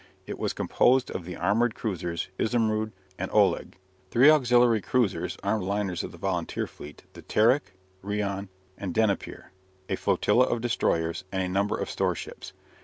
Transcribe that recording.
It was composed of the armoured cruisers "Izumrud" and "Oleg," three auxiliary cruisers (armed liners of the volunteer fleet), the "Terek," "Rion," and "Dnieper," a flotilla of destroyers, and a number of storeships.